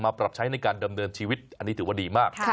ปรับใช้ในการดำเนินชีวิตอันนี้ถือว่าดีมาก